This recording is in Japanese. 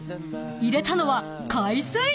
［入れたのは海水］